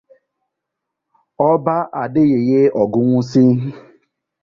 Oba Adeyeye Ogunwusi